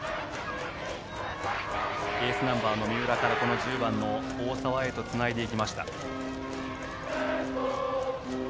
エースナンバーの三浦から１０番の大沢へとつないでいきました。